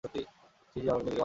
ছি ছি, নিজেকে মারতে ইচ্ছে করে।